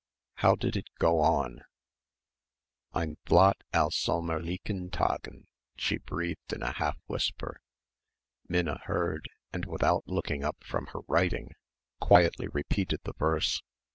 How did it go on? "Ein Blatt aus sommerlichen Tagen," she breathed in a half whisper. Minna heard and without looking up from her writing quietly repeated the verse.